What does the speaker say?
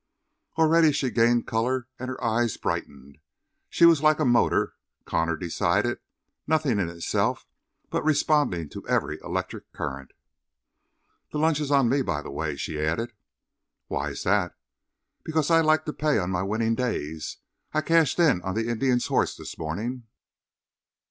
Already she gained color and her eyes brightened. She was like a motor, Connor decided, nothing in itself, but responding to every electric current. "This lunch is on me, by the way," she added. "Why is that?" "Because I like to pay on my winning days. I cashed in on the Indian's horse this morning."